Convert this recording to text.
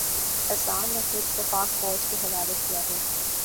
احسان نے خود کو پاک فوج کے حوالے کیا ہے